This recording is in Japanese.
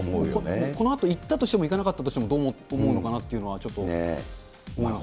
このあと行ったとしても行かなかったとしても、どう思うのかというのはちょっと思いますね。